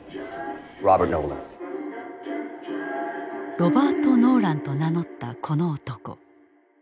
ロバート・ノーランと名乗ったこの男。